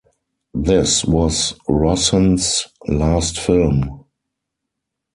This was Rossen's last film.